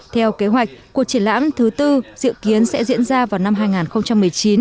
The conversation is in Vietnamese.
theo kế hoạch cuộc triển lãm thứ tư dự kiến sẽ diễn ra vào năm hai nghìn một mươi chín